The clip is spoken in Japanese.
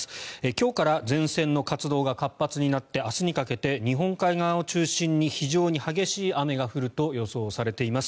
今日から前線の活動が活発になって明日にかけて日本海側を中心に非常に激しい雨が降ると予想されています。